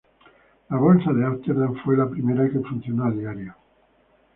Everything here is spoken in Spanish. La Bolsa de Ámsterdam fue la primera que funcionó a diario.